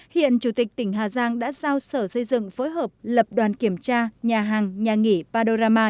hiện chủ tịch tỉnh hà giang đã giao sở xây dựng phối hợp lập đoàn kiểm tra nhà hàng nhà nghỉ padorama